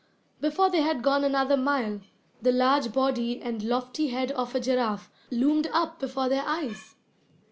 Before they had gone another mile, the large body and lofty head of a giraffe loomed up before their eyes!